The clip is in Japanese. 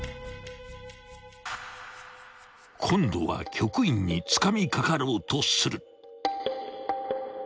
［今度は局員につかみかかろうとする］